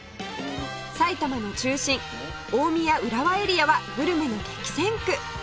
埼玉の中心大宮浦和エリアはグルメの激戦区